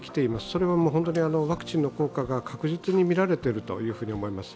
それは本当にワクチンの効果が確実に見られていると思います。